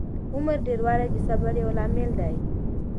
عمر ډېروالی د صبر یو لامل دی.